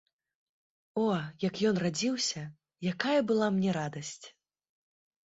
О, як ён радзіўся, якая была мне радасць!